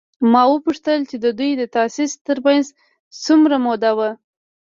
ما وپوښتل چې د دوی د تاسیس تر منځ څومره موده وه؟